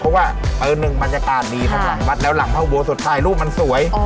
เพราะว่าเปิดหนึ่งบรรยากาศดีทั้งหลังบัตรแล้วหลังพ่อบัวสุดท้ายรูปมันสวย